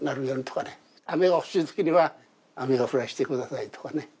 雨が欲しいときには雨を降らしてくださいとかね。